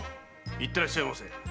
いってらっしゃいませ。